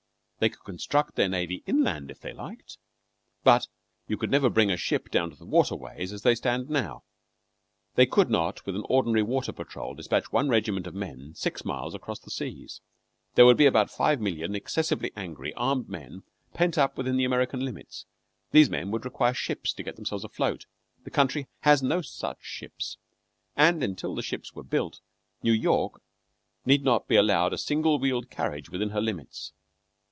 They could construct their navy inland if they liked, but you could never bring a ship down to the water ways, as they stand now. They could not, with an ordinary water patrol, despatch one regiment of men six miles across the seas. There would be about five million excessively angry, armed men pent up within American limits. These men would require ships to get themselves afloat. The country has no such ships, and until the ships were built New York need not be allowed a single wheeled carriage within her limits.